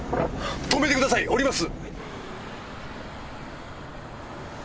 止めてください！おります。